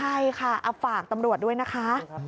ใช่ค่ะฝากตำรวจด้วยนะคะ